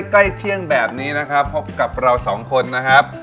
ใกล้เที่ยงแบบนี้นะครับพบกับเราสองคนนะครับ